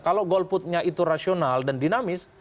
kalau golputnya itu rasional dan dinamis